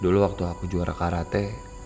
dulu waktu aku juara karate